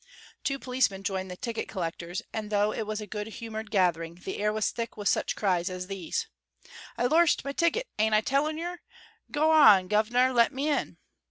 Two policemen joined the ticket collectors, and though it was a good humored gathering, the air was thick with such cries as these: "I lorst my ticket, ain't I telling yer? Gar on, guv'nor, lemme in!"